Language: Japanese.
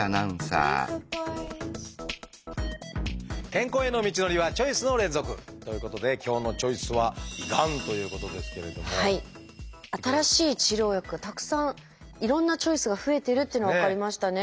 健康への道のりはチョイスの連続！ということで今日の「チョイス」は新しい治療薬がたくさんいろんなチョイスが増えてるっていうのが分かりましたね。